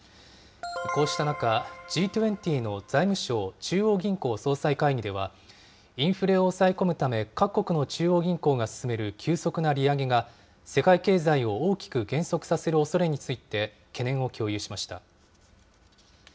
こうした中、Ｇ２０の財務相・中央銀行総裁会議では、インフレを抑え込むため、各国の中央銀行が進める急速な利上げが、世界経済を大きく減速させるおそれについて懸念を共有しました。